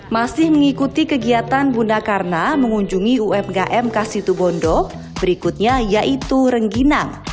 masih mengikuti kegiatan bunda karna mengunjungi umkm khas situbondo berikutnya yaitu rengginang